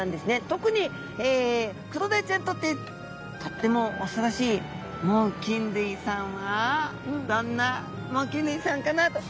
特にクロダイちゃんにとってとってもおそろしい猛禽類さんはどんな猛禽類さんかな。